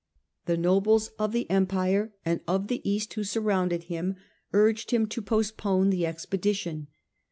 The nobles of the Empire and of the East who sur rounded him urged him to postpone the expedition.